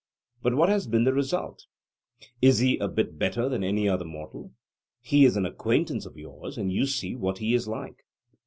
But what has been the result? Is he a bit better than any other mortal? He is an acquaintance of yours, and you see what he is like.